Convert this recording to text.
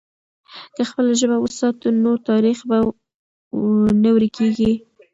که خپله ژبه وساتو، نو تاریخ به نه ورکېږي.